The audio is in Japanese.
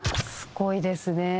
すごいですね。